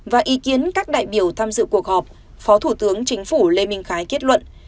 và ý kiến các đại biểu tham dự cuộc họp phó thủ tướng chính phủ lê minh khái kết luận